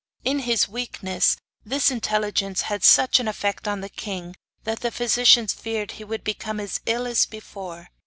In his weakness this intelligence had such an effect on the king that the physicians feared he would become as ill as before.